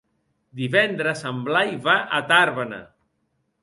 Divendres en Blai va a Tàrbena.